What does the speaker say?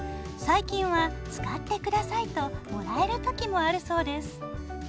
最近は「使って下さい」ともらえる時もあるそうです。